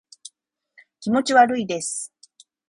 気持ち悪いです